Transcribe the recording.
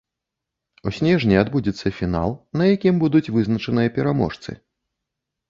У снежні адбудзецца фінал, на якім будуць вызначаныя пераможцы.